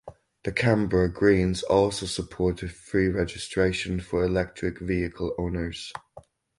The Canberra Greens also supported free registration for electric vehicle owners.